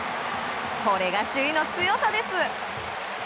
これが首位の強さです。